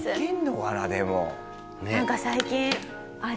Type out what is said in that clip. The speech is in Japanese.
なんか最近。